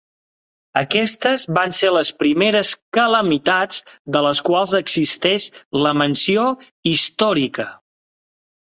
Aquestes van ser les primeres calamitats de les quals existeix la menció històrica.